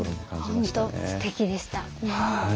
本当すてきでした。